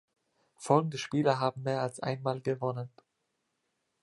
Folgende Spieler haben mehr als einmal gewonnen.